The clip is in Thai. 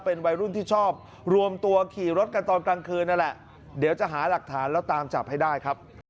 เป็นวัยรุ่นที่ชอบรวมตัวขี่รถกันตอนกลางคืนนั่นแหละเดี๋ยวจะหาหลักฐานแล้วตามจับให้ได้ครับ